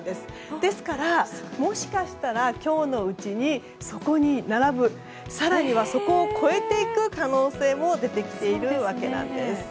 ですからもしかしたら今日のうちにそこに並ぶ更にはそこを超えていく可能性も出てきているわけなんです。